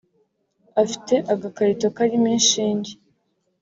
afite agakarito karimo inshinge